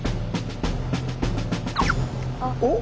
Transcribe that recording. あっ。